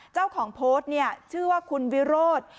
เจ้าของโพสต์เนี่ยชื่อว่าคุณวิโรธ